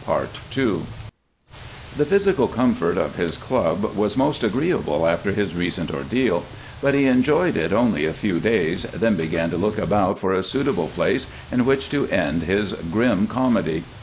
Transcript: II The physical comfort of his club was most agreeable after his recent ordeal, but he enjoyed it only a few days, then began to look about for a suitable place in which to end his grim comedy.